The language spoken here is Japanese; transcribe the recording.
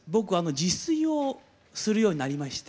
自炊をするようになりまして。